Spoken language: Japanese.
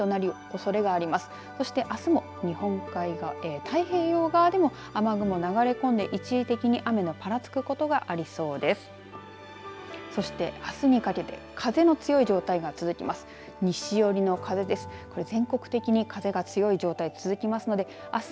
そしてあすも日本海側、太平洋側でも雨雲が流れ込んで、一時的に雨のぱらつく所がありそうです。